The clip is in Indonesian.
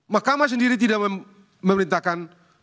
mahkamah sendiri tidak memerintahkan